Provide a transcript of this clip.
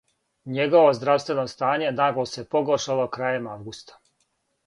Његово здравствено стање нагло се погоршало крајем августа.